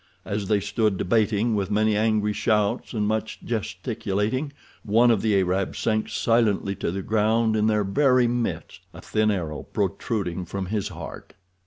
As they stood debating with many angry shouts and much gesticulating, one of the Arabs sank silently to the ground in their very midst—a thin arrow protruding from his heart.